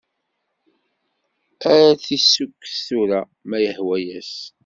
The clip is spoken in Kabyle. Ad t-issukkes tura, ma yehwa-as!